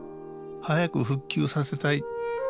早く復旧させたい。